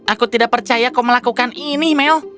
aku tidak percaya kau melakukan ini mel